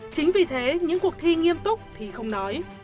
chính vì thế những cuộc thi nghiêm túc thì không nói